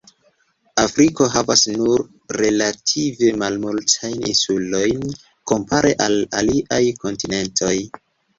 Afriko havas nur relative malmultajn insulojn kompare al aliaj kontinentoj.